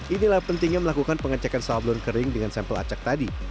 inilah pentingnya melakukan pengecekan sablon kering dengan sampel acak tadi